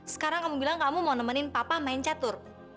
sekarang kamu bilang kamu mau nemenin papa main catur